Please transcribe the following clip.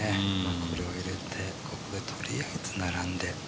これを入れてここでとりあえず並んで。